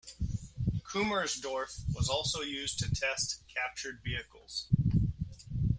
Kummersdorf was also used to test captured vehicles.